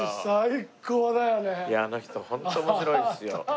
いやあの人ホント面白いっすよ。